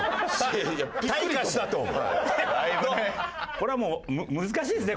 これはもう難しいですね。